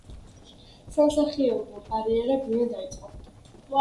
სამსახიობო კარიერა გვიან დაიწყო.